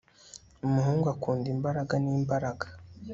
umuhungu akunda imbaraga n'imbaraga